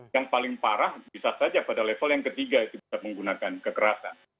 yang paling parah bisa saja pada level yang ketiga itu bisa menggunakan kekerasan